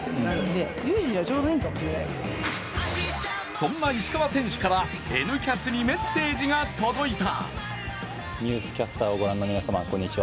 そんな石川選手から「Ｎキャス」にメッセージが届いた。